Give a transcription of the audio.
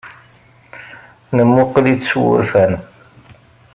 Nemmuqqel-itt s wurfan.